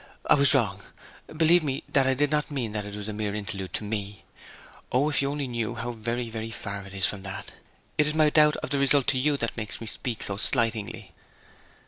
I was wrong; believe me that I did not mean that it was a mere interlude to me. O if you only knew how very, very far it is from that! It is my doubt of the result to you that makes me speak so slightingly.'